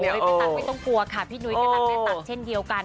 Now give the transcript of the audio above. พี่ตั๊กไม่ต้องกลัวค่ะพี่นุ้ยก็รักแม่ตั๊กเช่นเดียวกัน